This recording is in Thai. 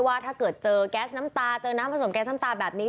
ว่าถ้าเกิดเจอแก๊สน้ำตาเจอน้ำผสมแก๊สน้ำตาแบบนี้